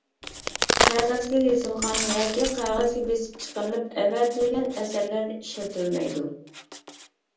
قەغەزگە يېزىلغان ياكى قەغەزگە بېسىپ چىقىرىلىپ ئەۋەتىلگەن ئەسەرلەر ئىشلىتىلمەيدۇ.